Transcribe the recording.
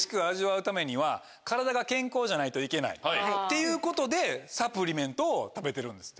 じゃないといけないっていうことでサプリメントを食べてるんですって。